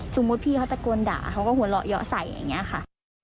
พี่เขาตะโกนด่าเขาก็หัวเราะเยอะใส่อย่างนี้ค่ะ